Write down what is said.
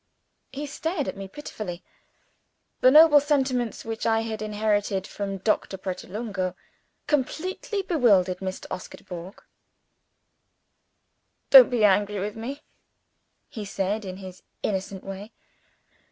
He stared at me piteously. The noble sentiments which I had inherited from Doctor Pratolungo, completely bewildered Mr. Oscar Dubourg. "Don't be angry with me," he said, in his innocent way.